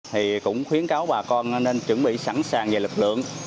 thì cũng khuyến cáo bà con nên chuẩn bị sẵn sàng về lực lượng